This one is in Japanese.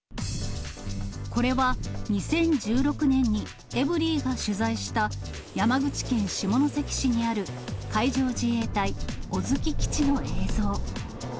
これは２０１６年にエブリィが取材した、山口県下関市にある、海上自衛隊小月基地の映像。